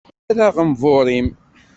Err aɣenbur-im.